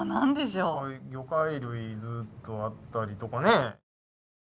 こういう魚介類ずっとあったりとかね。